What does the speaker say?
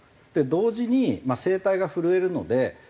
同時に声帯が震えるので。